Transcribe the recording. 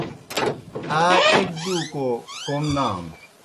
آ ایْک دُوْکو کوْم نانوْ۔